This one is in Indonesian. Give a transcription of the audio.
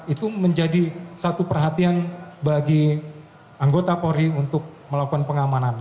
itu menjadi satu perhatian bagi anggota polri untuk melakukan pengamanan